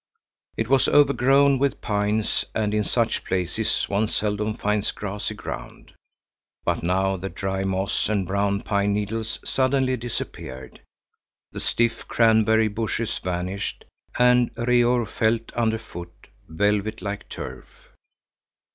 It was overgrown with pines, and in such places one seldom finds grassy ground. But now the dry moss and brown pine needles suddenly disappeared, the stiff cranberry bushes vanished, and Reor felt under foot velvet like turf.